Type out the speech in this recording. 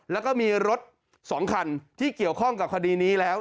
แล้วก็มีรถ๒คันที่เกี่ยวข้องกับคดีนี้แล้ว